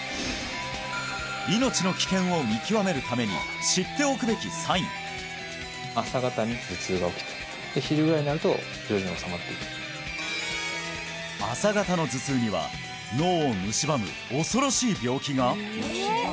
命の危険を見極めるために知っておくべきサイン朝方の頭痛には脳をむしばむ恐ろしい病気が！？